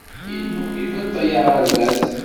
Yennum ibeṭṭel aɣerbaz.